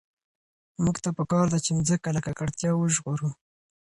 موږ ته په کار ده چي مځکه له ککړتیا وژغورو.